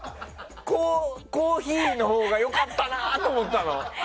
コーヒーのほうが良かったなって思ったの。